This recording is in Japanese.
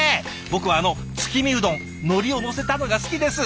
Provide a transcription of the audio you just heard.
僕はあの月見うどんのりを載せたのが好きです。